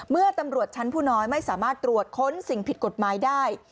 เมื่อตำรวจชั้นผู้น้อยไม่สามารถตรวจค้นสิ่งผิดกฎหมายได้